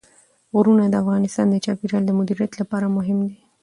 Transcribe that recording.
غرونه د افغانستان د چاپیریال د مدیریت لپاره مهم دي.